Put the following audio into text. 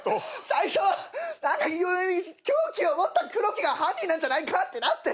最初は凶器を持ったクロキが犯人なんじゃないかってなって。